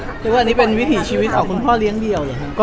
คืออันนี้เป็นวิถีชีวิตของคุณพ่อเลี้ยงเดิล